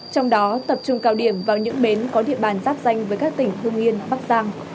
trong đó tập trung cao điểm vào những bến có địa bàn giáp danh với các tỉnh hương yên bắc giang